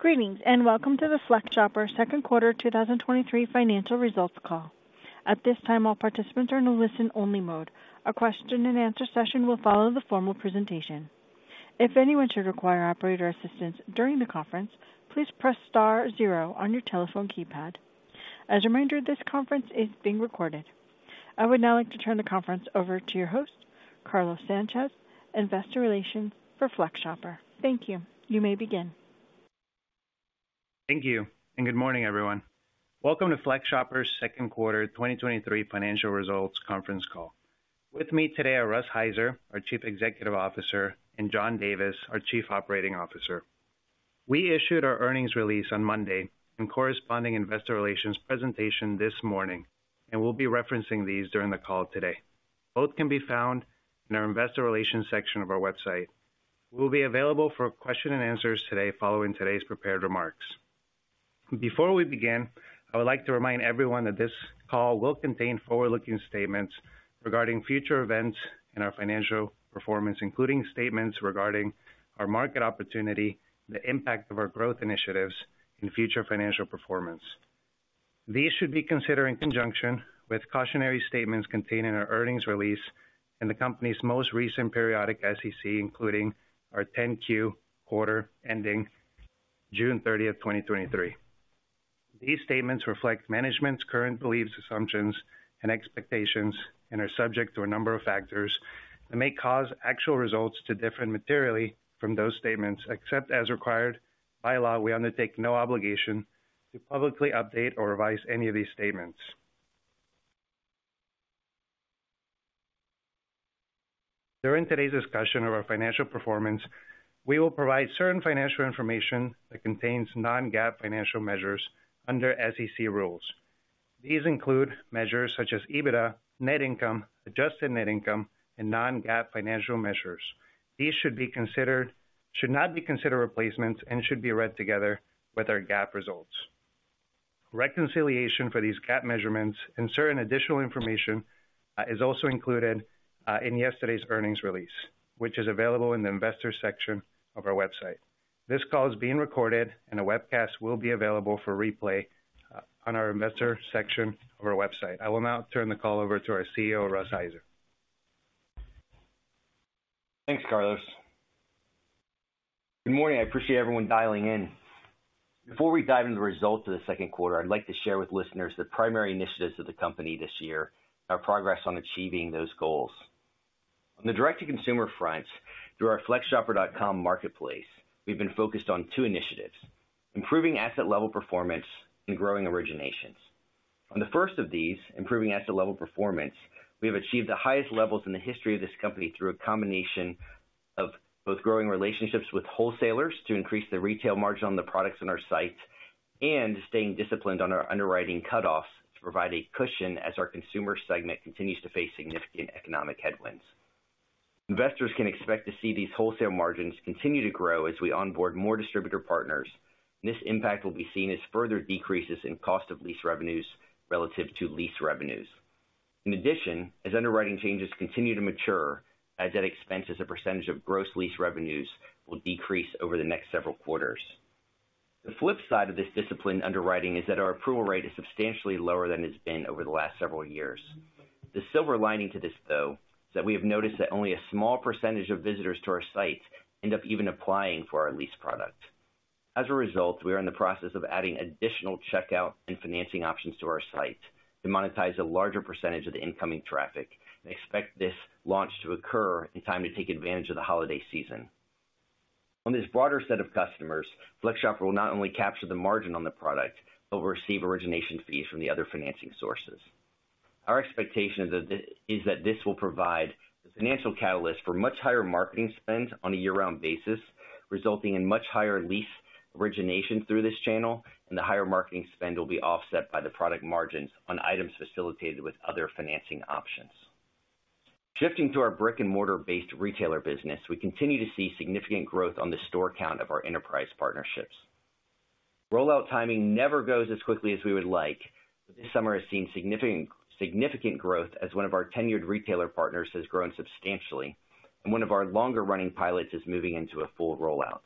Greetings, welcome to the FlexShopper Second Quarter 2023 Financial Results Call. At this time, all participants are in a listen-only mode. A question and answer session will follow the formal presentation. If anyone should require operator assistance during the conference, please press star zero on your telephone keypad. As a reminder, this conference is being recorded. I would now like to turn the conference over to your host, Carlos Sanchez, Investor Relations for FlexShopper. Thank you. You may begin. Thank you. Good morning, everyone. Welcome to FlexShopper's Second Quarter 2023 Financial Results Conference Call. With me today are Russ Heiser, our Chief Executive Officer, and John Davis, our Chief Operating Officer. We issued our earnings release on Monday and corresponding investor relations presentation this morning. We'll be referencing these during the call today. Both can be found in our Investor Relations section of our website. We'll be available for question and answers today following today's prepared remarks. Before we begin, I would like to remind everyone that this call will contain forward-looking statements regarding future events and our financial performance, including statements regarding our market opportunity, the impact of our growth initiatives, and future financial performance. These should be considered in conjunction with cautionary statements contained in our earnings release and the company's most recent periodic SEC, including our 10-Q quarter ending June 30th, 2023. These statements reflect management's current beliefs, assumptions, and expectations and are subject to a number of factors that may cause actual results to differ materially from those statements. Except as required by law, we undertake no obligation to publicly update or revise any of these statements. During today's discussion of our financial performance, we will provide certain financial information that contains non-GAAP financial measures under SEC rules. These include measures such as EBITDA, net income, adjusted net income, and non-GAAP financial measures. These should not be considered replacements and should be read together with our GAAP results. Reconciliation for these GAAP measurements and certain additional information is also included in yesterday's earnings release, which is available in the Investor section of our website. This call is being recorded, and a webcast will be available for replay on our Investor section of our website. I will now turn the call over to our CEO, Russ Heiser. Thanks, Carlos. Good morning. I appreciate everyone dialing in. Before we dive into the results of the second quarter, I'd like to share with listeners the primary initiatives of the company this year, our progress on achieving those goals. On the direct-to-consumer front, through our FlexShopper.com marketplace, we've been focused on two initiatives: improving asset-level performance and growing originations. On the first of these, improving asset-level performance, we have achieved the highest levels in the history of this company through a combination of both growing relationships with wholesalers to increase the retail margin on the products on our site and staying disciplined on our underwriting cutoffs to provide a cushion as our consumer segment continues to face significant economic headwinds. Investors can expect to see these wholesale margins continue to grow as we onboard more distributor partners. This impact will be seen as further decreases in cost of lease revenues relative to lease revenues. In addition, as underwriting changes continue to mature, expense as a percentage of gross lease revenues will decrease over the next several quarters. The flip side of this disciplined underwriting is that our approval rate is substantially lower than it's been over the last several years. The silver lining to this, though, is that we have noticed that only a small percentage of visitors to our site end up even applying for our lease product. As a result, we are in the process of adding additional checkout and financing options to our site to monetize a larger percentage of the incoming traffic and expect this launch to occur in time to take advantage of the holiday season. On this broader set of customers, FlexShopper will not only capture the margin on the product, but will receive origination fees from the other financing sources. Our expectation is that this will provide the financial catalyst for much higher marketing spends on a year-round basis, resulting in much higher lease origination through this channel, and the higher marketing spend will be offset by the product margins on items facilitated with other financing options. Shifting to our brick-and-mortar-based retailer business, we continue to see significant growth on the store count of our enterprise partnerships. Rollout timing never goes as quickly as we would like, but this summer has seen significant, significant growth as one of our tenured retailer partners has grown substantially, and one of our longer-running pilots is moving into a full rollout.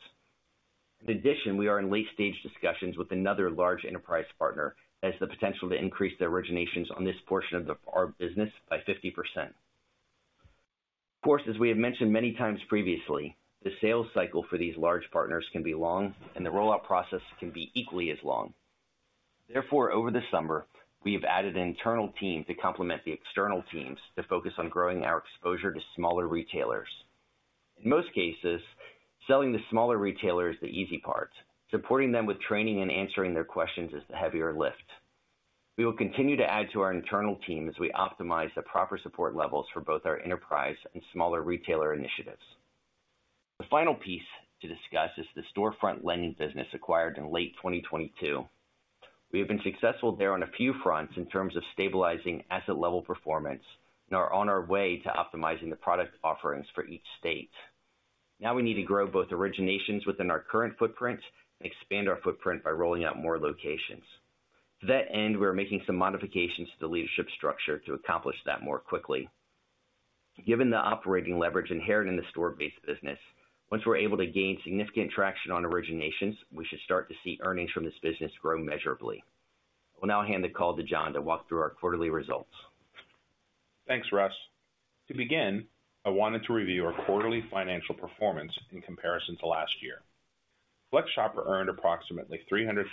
In addition, we are in late-stage discussions with another large enterprise partner as the potential to increase their originations on this portion of the, our business by 50%. Of course, as we have mentioned many times previously, the sales cycle for these large partners can be long, and the rollout process can be equally as long. Therefore, over the summer, we have added an internal team to complement the external teams to focus on growing our exposure to smaller retailers. In most cases, selling to smaller retailers is the easy part. Supporting them with training and answering their questions is the heavier lift. We will continue to add to our internal team as we optimize the proper support levels for both our enterprise and smaller retailer initiatives. The final piece to discuss is the storefront lending business acquired in late 2022.We have been successful there on a few fronts in terms of stabilizing asset level performance and are on our way to optimizing the product offerings for each state. Now we need to grow both originations within our current footprint and expand our footprint by rolling out more locations. To that end, we are making some modifications to the leadership structure to accomplish that more quickly. Given the operating leverage inherent in the store-based business, once we're able to gain significant traction on originations, we should start to see earnings from this business grow measurably. I will now hand the call to John to walk through our quarterly results. Thanks, Russ. To begin, I wanted to review our quarterly financial performance in comparison to last year. FlexShopper earned approximately $300,000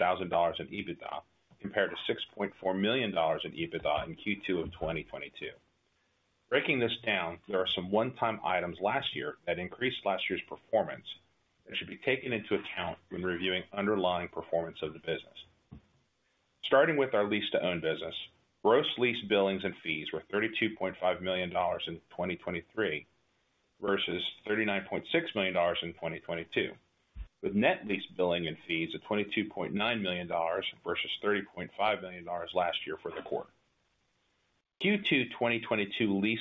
in EBITDA, compared to $6.4 million in EBITDA in Q2 of 2022. Breaking this down, there are some one-time items last year that increased last year's performance, that should be taken into account when reviewing underlying performance of the business. Starting with our lease-to-own business, gross lease billings and fees were $32.5 million in 2023, versus $39.6 million in 2022, with net lease billing and fees of $22.9 million versus $30.5 million last year for the quarter. Q2 2022 lease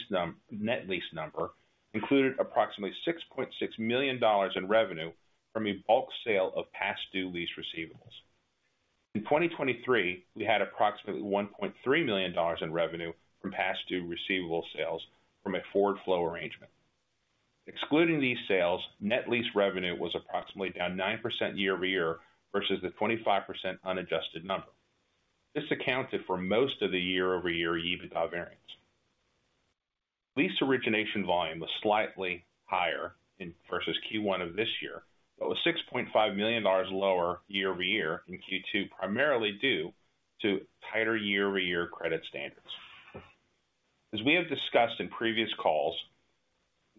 net lease number included approximately $6.6 million in revenue from a bulk sale of past due lease receivables. In 2023, we had approximately $1.3 million in revenue from past due receivable sales from a forward flow arrangement. Excluding these sales, net lease revenue was approximately down 9% year-over-year, versus the 25% unadjusted number. This accounted for most of the year-over-year EBITDA variance. Lease origination volume was slightly higher in versus Q1 of this year, but was $6.5 million lower year-over-year in Q2, primarily due to tighter year-over-year credit standards. As we have discussed in previous calls,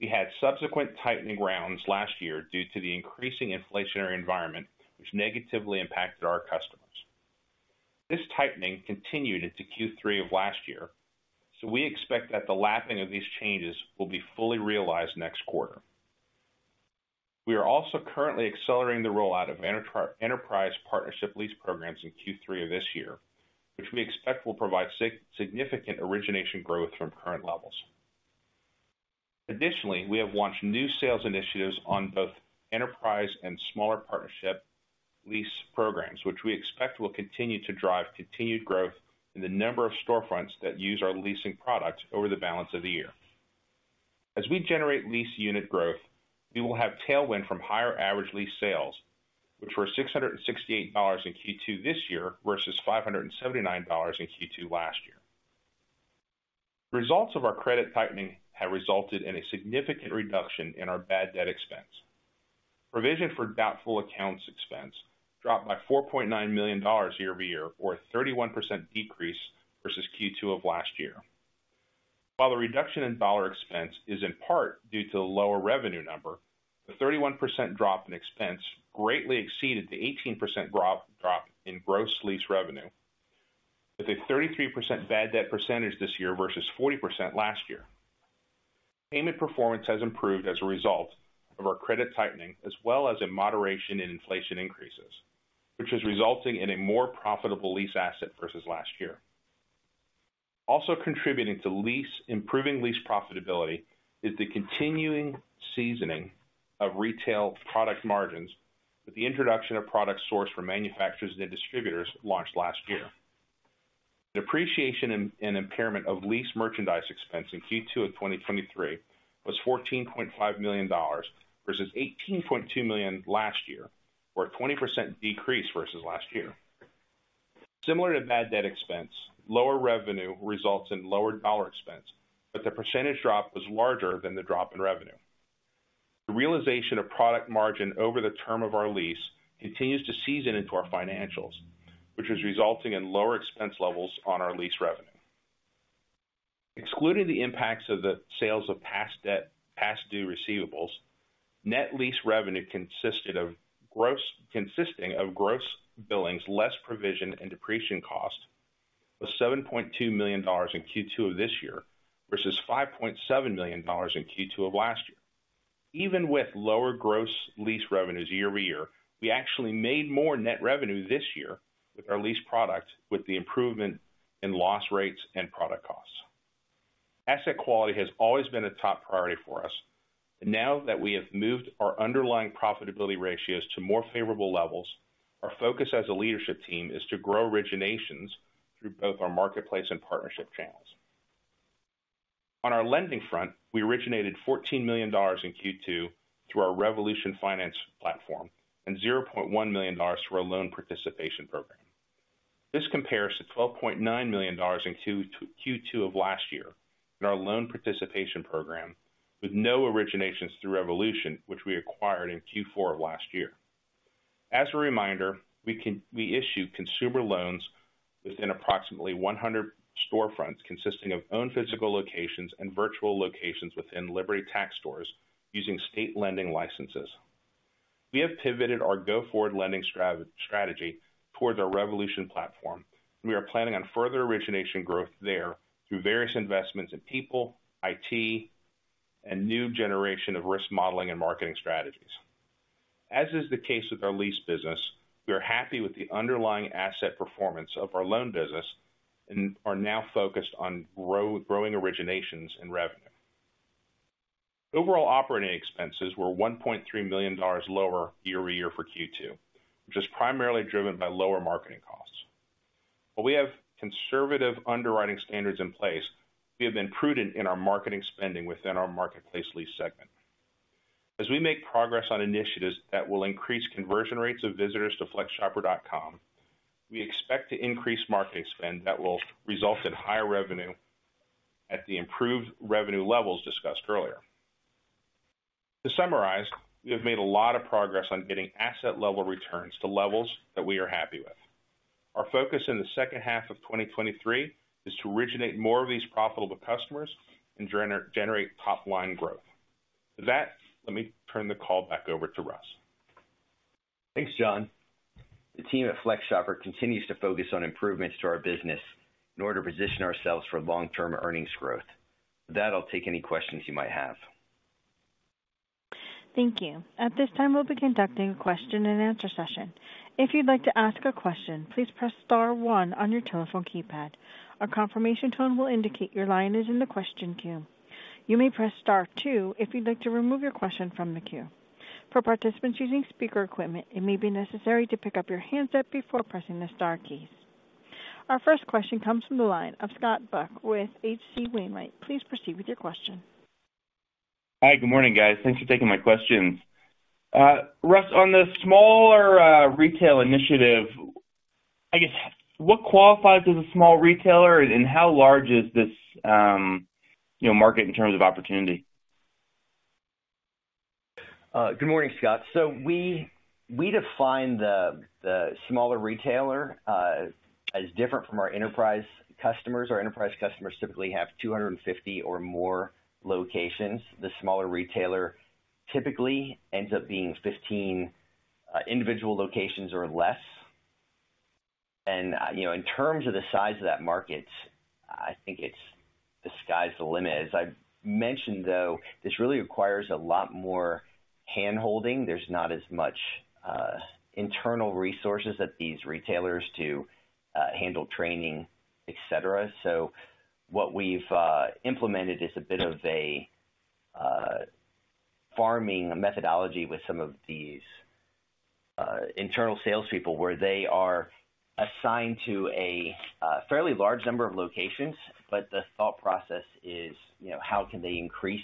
we had subsequent tightening rounds last year due to the increasing inflationary environment, which negatively impacted our customers. This tightening continued into Q3 of last year, so we expect that the lapping of these changes will be fully realized next quarter. We are also currently accelerating the rollout of enterprise partnership lease programs in Q3 of this year, which we expect will provide significant origination growth from current levels. We have launched new sales initiatives on both enterprise and smaller partnership lease programs, which we expect will continue to drive continued growth in the number of storefronts that use our leasing products over the balance of the year. As we generate lease unit growth, we will have tailwind from higher average lease sales, which were $668 in Q2 this year, versus $579 in Q2 last year. Results of our credit tightening have resulted in a significant reduction in our bad debt expense. Provision for doubtful accounts expense dropped by $4.9 million year-over-year, or a 31% decrease versus Q2 of last year. While the reduction in dollar expense is in part due to the lower revenue number, the 31% drop in expense greatly exceeded the 18% drop in gross lease revenue, with a 33% bad debt percentage this year versus 40% last year. Payment performance has improved as a result of our credit tightening, as well as a moderation in inflation increases, which is resulting in a more profitable lease asset versus last year. Also contributing to improving lease profitability, is the continuing seasoning of retail product margins with the introduction of product sourced from manufacturers and distributors launched last year. Depreciation and impairment of lease merchandise expense in Q2 of 2023 was $14.5 million, versus $18.2 million last year, or a 20% decrease versus last year. Similar to bad debt expense, lower revenue results in lower dollar expense, but the % drop was larger than the drop in revenue. The realization of product margin over the term of our lease continues to season into our financials, which is resulting in lower expense levels on our lease revenue. Excluding the impacts of the sales of past debt, past due receivables, net lease revenue consisted of gross billings, less provision and depreciation costs, was $7.2 million in Q2 of this year, versus $5.7 million in Q2 of last year. Even with lower gross lease revenues year-over-year, we actually made more net revenue this year with our lease product, with the improvement in loss rates and product costs. Asset quality has always been a top priority for us. Now that we have moved our underlying profitability ratios to more favorable levels, our focus as a leadership team is to grow originations through both our marketplace and partnership channels. On our lending front, we originated $14 million in Q2 through our Revolution Financial platform and $0.1 million through our loan participation program. This compares to $12.9 million in Q2 of last year in our loan participation program, with no originations through Revolution, which we acquired in Q4 of last year. As a reminder, we issue consumer loans within approximately 100 storefronts, consisting of own physical locations and virtual locations within Liberty Tax stores using state lending licenses. We have pivoted our go-forward lending strategy towards our Revolution platform. We are planning on further origination growth there through various investments in people, IT, and new generation of risk modeling and marketing strategies. As is the case with our lease business, we are happy with the underlying asset performance of our loan business and are now focused on growing originations and revenue. Overall operating expenses were $1.3 million lower year-over-year for Q2, which is primarily driven by lower marketing costs. Well, we have conservative underwriting standards in place. We have been prudent in our marketing spending within our marketplace lease segment. As we make progress on initiatives that will increase conversion rates of visitors to FlexShopper.com, we expect to increase marketing spend that will result in higher revenue at the improved revenue levels discussed earlier. To summarize, we have made a lot of progress on getting asset level returns to levels that we are happy with. Our focus in the second half of 2023 is to originate more of these profitable customers and generate top line growth. With that, let me turn the call back over to Russ. Thanks, John. The team at FlexShopper continues to focus on improvements to our business in order to position ourselves for long-term earnings growth. With that, I'll take any questions you might have. Thank you. At this time, we'll be conducting a question and answer session. If you'd like to ask a question, please press star one on your telephone keypad. A confirmation tone will indicate your line is in the question queue. You may press star two if you'd like to remove your question from the queue. For participants using speaker equipment, it may be necessary to pick up your handset before pressing the star keys. Our first question comes from the line of Scott Buck with H.C. Wainwright. Please proceed with your question. Hi, good morning, guys. Thanks for taking my questions. Russ, on the smaller, retail initiative, I guess, what qualifies as a small retailer and, and how large is this, you know, market in terms of opportunity? Good morning, Scott. We, we define the, the smaller retailer, as different from our enterprise customers. Our enterprise customers typically have 250 or more locations. The smaller retailer typically ends up being 15 individual locations or less. You know, in terms of the size of that market, I think it's the sky's the limit. As I've mentioned, though, this really requires a lot more handholding. There's not as much internal resources at these retailers to handle training, et cetera. What we've implemented is a bit of a farming methodology with some of these internal salespeople, where they are assigned to a fairly large number of locations, but the thought process is, you know, how can they increase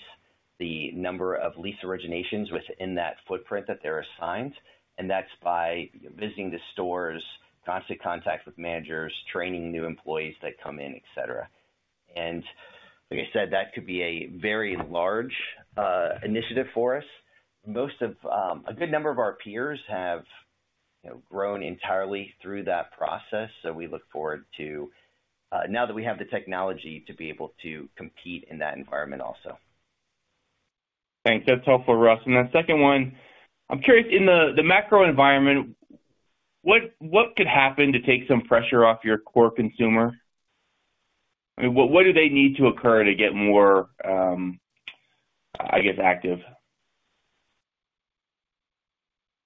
the number of lease originations within that footprint that they're assigned? That's by visiting the stores, constant contact with managers, training new employees that come in, et cetera. Like I said, that could be a very large initiative for us. A good number of our peers have, you know, grown entirely through that process, so we look forward to, now that we have the technology, to be able to compete in that environment also. Thanks. That's helpful, Russ. Then second one, I'm curious, in the, the macro environment, what, what could happen to take some pressure off your core consumer? I mean, what, what do they need to occur to get more, I guess, active?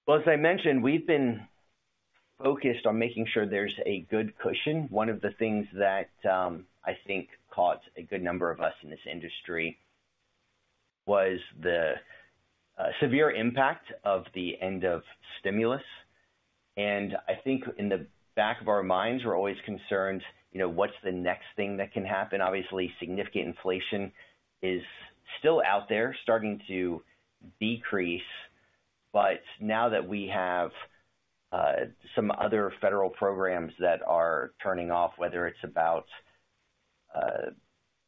Well, as I mentioned, we've been focused on making sure there's a good cushion. One of the things that I think caught a good number of us in this industry was the severe impact of the end of stimulus. I think in the back of our minds, we're always concerned, you know, what's the next thing that can happen? Obviously, significant inflation is still out there, starting to decrease, but now that we have some other federal programs that are turning off, whether it's about,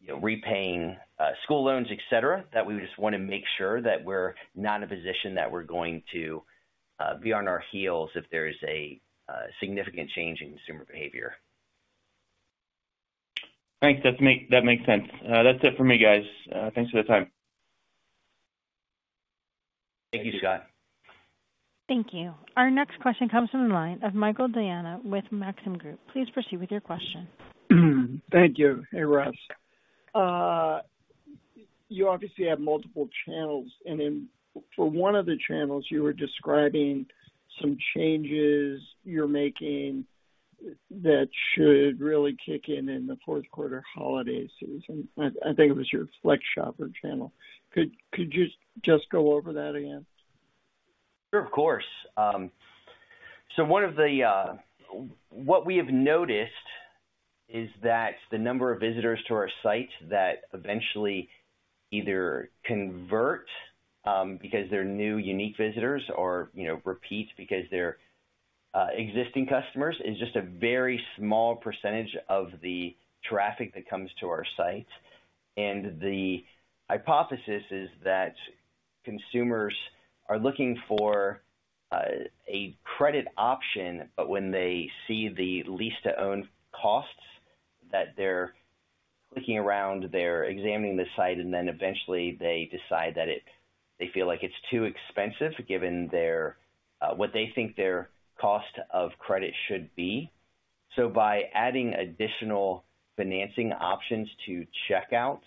you know, repaying school loans, et cetera, that we just want to make sure that we're not in a position that we're going to be on our heels if there is a significant change in consumer behavior. Thanks. That makes sense. That's it for me, guys. Thanks for the time. Thank you, Scott. Thank you. Our next question comes from the line of Michael Diana with Maxim Group. Please proceed with your question. Thank you. Hey, Russ. You obviously have multiple channels, and in-- for one of the channels, you were describing some changes you're making that should really kick in, in the fourth quarter holiday season. I, I think it was your FlexShopper channel. Could, could you just go over that again? Sure. Of course. One of the what we have noticed is that the number of visitors to our site that eventually either convert, because they're new unique visitors or, you know, repeat because they're existing customers, is just a very small % of the traffic that comes to our site. The hypothesis is that consumers are looking for a credit option, when they see the lease-to-own costs, that they're clicking around, they're examining the site, eventually they decide that they feel like it's too expensive, given their what they think their cost of credit should be. By adding additional financing options to checkout,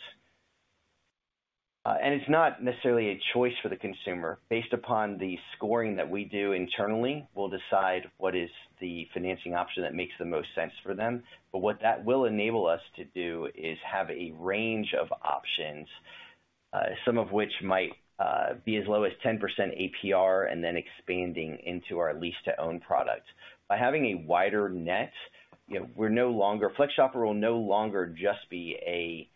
it's not necessarily a choice for the consumer. Based upon the scoring that we do internally, we'll decide what is the financing option that makes the most sense for them. What that will enable us to do is have a range of options. Some of which might be as low as 10% APR, and then expanding into our lease-to-own product. By having a wider net, you know, we're no longer, FlexShopper will no longer just be a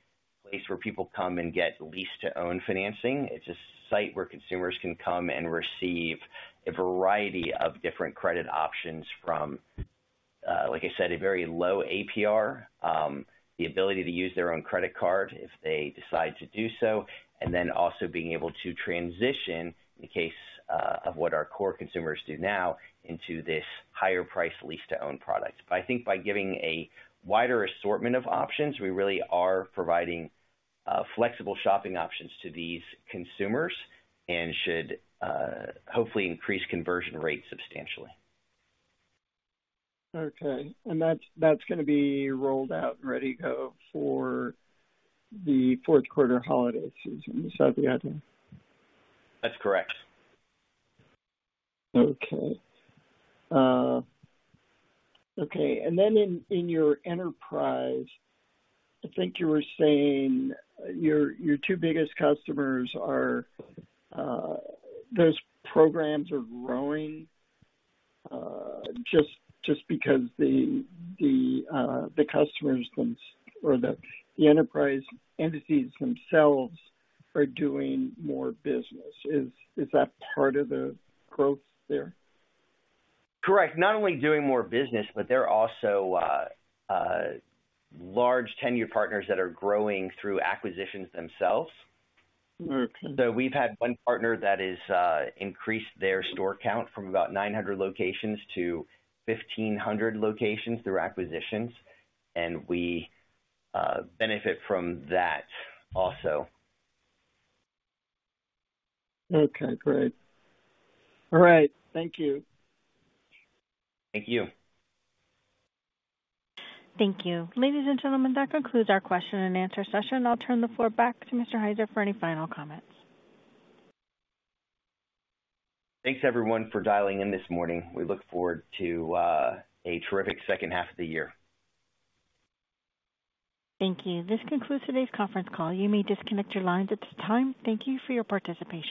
place where people come and get lease-to-own financing. It's a site where consumers can come and receive a variety of different credit options from, like I said, a very low APR, the ability to use their own credit card if they decide to do so, and then also being able to transition, in case of what our core consumers do now, into this higher price lease-to-own product. I think by giving a wider assortment of options, we really are providing flexible shopping options to these consumers and should hopefully increase conversion rates substantially. Okay, that's, that's gonna be rolled out and ready to go for the fourth quarter holiday season. Is that the idea? That's correct. Okay. Then in, in your enterprise, I think you were saying your, your two biggest customers are, those programs are growing, just, just because the, the, the customers themselves or the, the enterprise entities themselves are doing more business. Is, is that part of the growth there? Correct. Not only doing more business, but they're also, large tenured partners that are growing through acquisitions themselves. Okay. We've had one partner that is increased their store count from about 900 locations to 1,500 locations through acquisitions, and we benefit from that also. Okay, great. All right. Thank you. Thank you. Thank you. Ladies and gentlemen, that concludes our question and answer session. I'll turn the floor back to Mr. Heiser for any final comments. Thanks, everyone, for dialing in this morning. We look forward to a terrific second half of the year. Thank you. This concludes today's conference call. You may disconnect your lines at this time. Thank you for your participation.